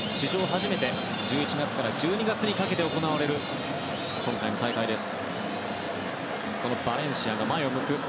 初めて、１１月から１２月にかけて行われる今回の大会です。